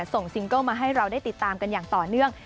ส่งซิงเกิ้ลมาให้เราได้ติดตามกันอย่างต่อเนื่อง